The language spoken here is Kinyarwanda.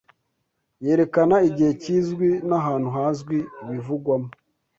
Yerekana igihe kizwi n’ahantu hazwi ibivugwamo